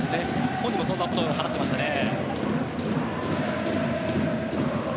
本人もそんなことを話していましたね。